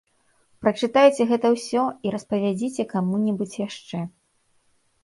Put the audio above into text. Прачытайце гэта ўсё і распавядзіце каму-небудзь яшчэ.